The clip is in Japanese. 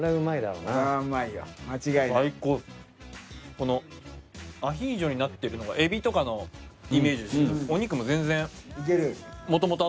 このアヒージョになってるのがエビとかのイメージですけど。